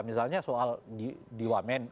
misalnya soal di wamen